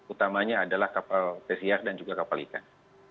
utamanya adalah kapal pesiar dan juga kapal ikan